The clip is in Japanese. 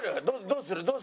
どうする。